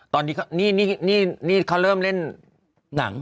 ตอนนี้นี่เขาเริ่มเล่นหนัง